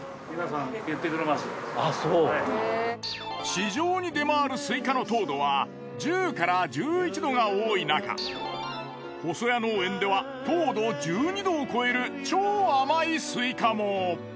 市場に出回るスイカの糖度は１０から１１度が多いなか細谷農園では糖度１２度を超える超甘いスイカも。